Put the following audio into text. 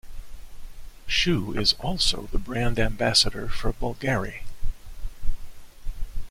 Shu is also the brand Ambassador for Bulgari.